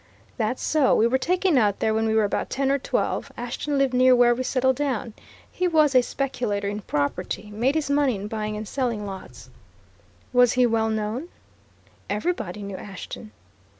"That's so. We were taken out there when we were about ten or twelve Ashton lived near where we settled down. He was a speculator in property made his money in buying and selling lots." "Was he well known?" "Everybody knew Ashton."